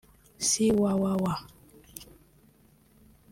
see www